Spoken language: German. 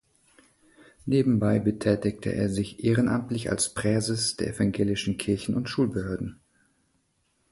Nebenbei betätigte er sich ehrenamtlich als Präses der evangelischen Kirchen- und Schulbehörden.